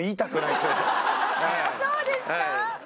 そうですか？